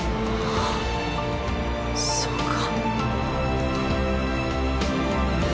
あそうか。